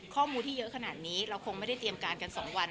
ข้อมูลที่เยอะขนาดนี้เราคงไม่ได้เตรียมการกัน๒วัน